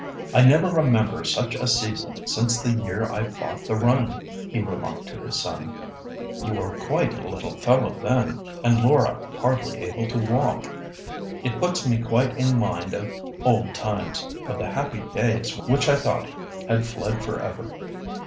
"I never remember such a season since the year I bought the run," he remarked to his son. "You were quite a little fellow then, and Laura hardly able to walk. It puts me quite in mind of old times—of the happy days which I thought had fled for ever."